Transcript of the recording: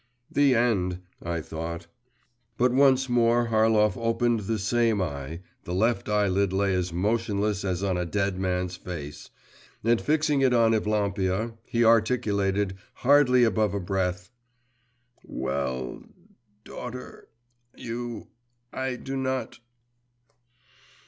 … 'The end!' I thought.… But once more Harlov opened the same eye (the left eyelid lay as motionless as on a dead man's face), and fixing it on Evlampia, he articulated, hardly above a breath, 'Well, daugh … ter … you, I do not.